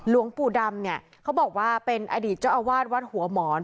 หลวงปู่ดำเนี่ยเขาบอกว่าเป็นอดีตเจ้าอาวาสวัดหัวหมอน